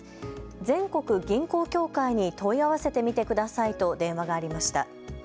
全国銀行協会に問い合わせてみてくださいと電話がありました。